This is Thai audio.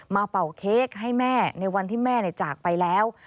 เป่าเค้กให้แม่ในวันที่แม่จากไปแล้ว